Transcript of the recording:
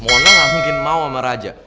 mona nggak mungkin mau sama raja